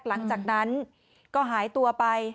หลังจากนั้นก็หายตัวไป